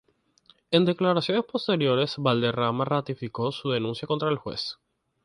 En declaraciones posteriores, Valderrama ratificó su denuncia contra el juez.